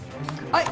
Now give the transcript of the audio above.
はい！